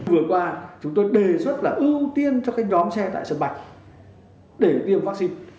vừa qua chúng tôi đề xuất là ưu tiên cho các nhóm xe tại sân bay để tiêm vaccine